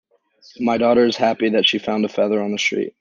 My daughter is happy that she found a feather on the street.